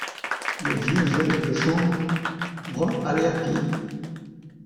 Le vieux valet de chambre allait à pied.